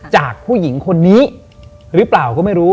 จากผู้หญิงคนนี้หรือเปล่าก็ไม่รู้